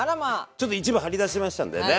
ちょっと一部張り出しましたんでね。